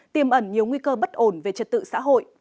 tiêm ẩn nhiều nguy cơ bất ổn về trật tự xã hội